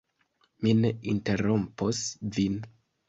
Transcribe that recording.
Mi ne interrompos vin.